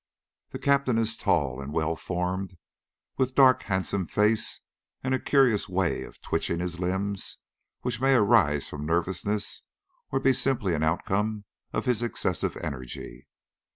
The Captain is tall and well formed, with dark, handsome face, and a curious way of twitching his limbs, which may arise from nervousness, or be simply an outcome of his excessive energy.